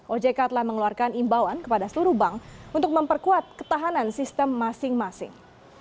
ojk telah mengeluarkan imbauan kepada seluruh bank untuk memperkuat ketahanan sistem masing masing